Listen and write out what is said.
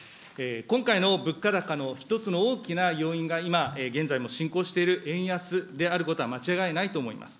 今回の物価高の一つの大きな要因が今、現在も進行している円安であることは間違いないと思います。